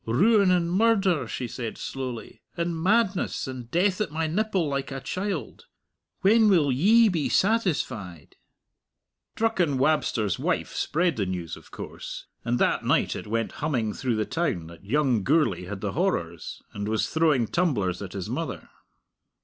"Ruin and murder," she said slowly, "and madness; and death at my nipple like a child! When will Ye be satisfied?" Drucken Wabster's wife spread the news, of course, and that night it went humming through the town that young Gourlay had the horrors, and was throwing tumblers at his mother!